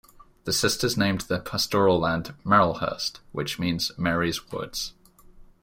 The Sisters named the pastoral land Marylhurst, which means "Mary's Woods".